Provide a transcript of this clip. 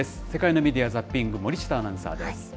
世界のメディア・ザッピング、森下アナウンサーです。